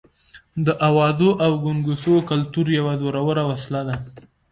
د اوازو او ګونګوسو کلتور یوه زوروره وسله ده.